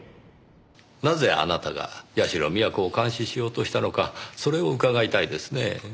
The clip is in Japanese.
なぜあなたが社美彌子を監視しようとしたのかそれを伺いたいですねぇ。